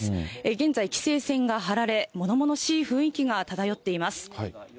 現在、規制線が張られ、ものものしい雰囲気が漂っています。